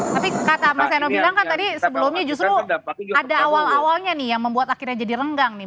tapi kata mas eno bilang kan tadi sebelumnya justru ada awal awalnya nih yang membuat akhirnya jadi renggang nih